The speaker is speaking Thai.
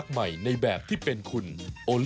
อุ๊ยไม่ได้เรียงสา